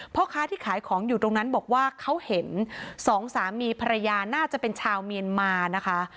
พ่อค้าที่ขายของอยู่ตรงนั้นบอกว่าเขาเห็นสองสามีภรรยาน่าจะเป็นชาวเมียนมานะคะ